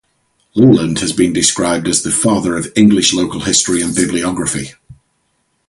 Leland has been described as "the father of English local history and bibliography".